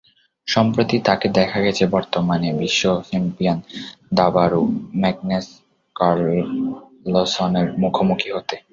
সম্প্রতি তাঁকে দেখা গেছে বর্তমানে বিশ্বচ্যাম্পিয়ন দাবাড়ু ম্যাগনাস কার্লসেনের মুখোমুখি হতে।